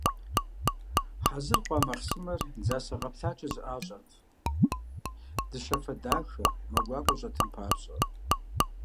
Хьэзыр хъуа махъсымэр дзасэ гъэплъакIэ зэIащIэрт, дыщафэ дахэ, мэ гуакIуэ щIэтын папщIэ.